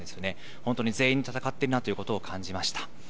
本当に全員で戦っているなということを感じました。